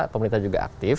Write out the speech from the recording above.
pemerintah juga aktif